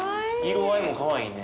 色合いもかわいいね。